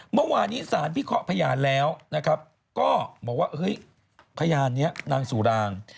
เมื่อวานี้ศาลวิเคราะห์พญานแล้วก็บอกว่าพญานนี้น้ามสู่ราง